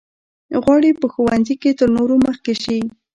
غواړي په ښوونځي کې تر نورو مخکې شي.